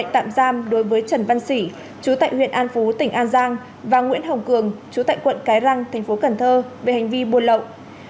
thành phố cần thơ về hành vi buôn lậu